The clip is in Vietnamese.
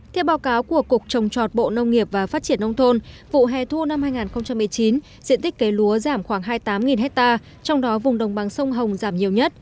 theo báo cáo của cục trồng trọt bộ nông nghiệp và phát triển nông thôn vụ hè thu năm hai nghìn một mươi chín diện tích kế lúa giảm khoảng hai mươi tám hectare trong đó vùng đồng bằng sông hồng giảm nhiều nhất